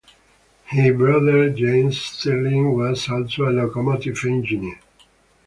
His brother James Stirling was also a locomotive engineer.